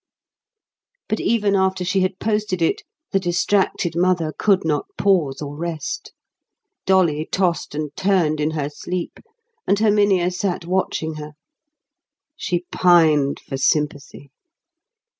But even after she had posted it the distracted mother could not pause or rest. Dolly tossed and turned in her sleep, and Herminia sat watching her. She pined for sympathy.